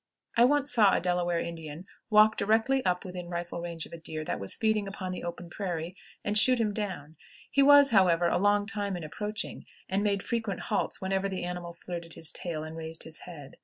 I once saw a Delaware Indian walk directly up within rifle range of a deer that was feeding upon the open prairie and shoot him down; he was, however, a long time in approaching, and made frequent halts whenever the animal flirted his tail and raised his head.